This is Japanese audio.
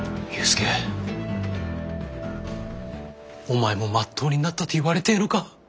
お前もまっとうになったって言われてえのか。